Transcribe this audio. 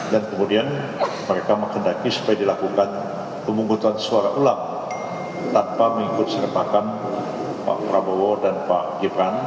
kemudian mereka menghendaki supaya dilakukan pemungutan suara ulang tanpa mengikut sertakan pak prabowo dan pak gibran